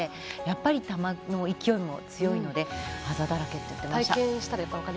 やっぱり球の勢いも強いのであざだらけって言ってました。